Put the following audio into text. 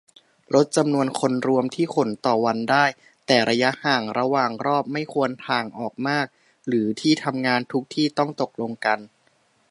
ลดจำนวนคนรวมที่ขนต่อวันได้ แต่ระยะห่างระหว่างรอบไม่ควรถ่างออกมาก หรือที่ทำงานทุกที่ต้องตกลงกัน